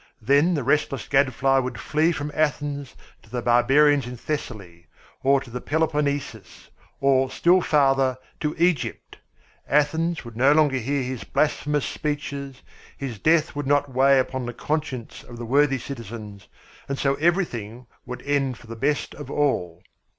Then the restless gadfly would flee from Athens to the barbarians in Thessaly, or to the Peloponnesus, or, still farther, to Egypt; Athens would no longer hear his blasphemous speeches; his death would not weigh upon the conscience of the worthy citizens, and so everything would end for the best of all.